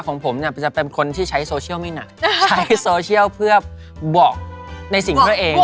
ของผมเนี่ยจะเป็นคนที่ใช้โซเชียลไม่หนักใช้โซเชียลเพื่อบอกในสิ่งที่ตัวเอง